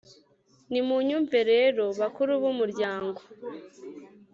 Nimunyumve rero, bakuru b’umuryango,